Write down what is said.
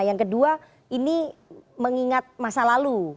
yang kedua ini mengingat masa lalu